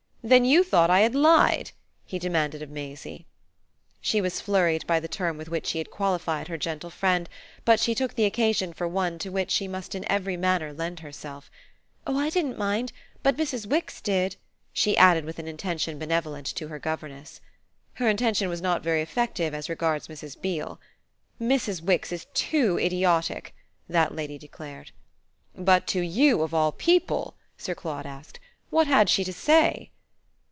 Then you thought I had lied?" he demanded of Maisie. She was flurried by the term with which he had qualified her gentle friend, but she took the occasion for one to which she must in every manner lend herself. "Oh I didn't mind! But Mrs. Wix did," she added with an intention benevolent to her governess. Her intention was not very effective as regards Mrs. Beale. "Mrs. Wix is too idiotic!" that lady declared. "But to you, of all people," Sir Claude asked, "what had she to say?"